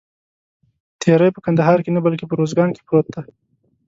تیری په کندهار کې نه بلکې په اوروزګان کې پروت دی.